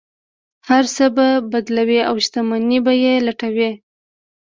هر څه به بدلوي او شتمنۍ به یې لوټوي.